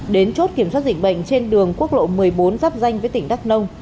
đến chốt kiểm soát dịch bệnh trên đường quốc lộ một mươi bốn giáp danh với tỉnh đắk nông